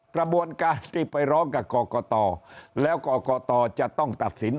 กระบวนการที่ไปร้องกับกรกตแล้วกรกตจะต้องตัดสิน